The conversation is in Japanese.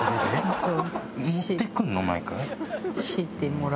そう。